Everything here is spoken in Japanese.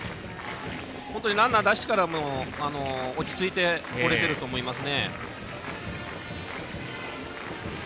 本当にランナー出してからも落ち着いて放れていると思います。